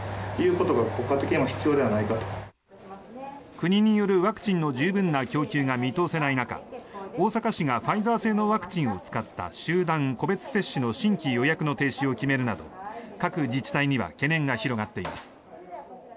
国によるワクチンの十分な供給が見通せない中大阪市がファイザー製のワクチンを使った集団・個別接種の新規予約の停止を決めるなど各自治体には懸念が広がっています。